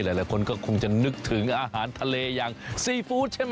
หลายคนก็คงจะนึกถึงอาหารทะเลอย่างซีฟู้ดใช่ไหม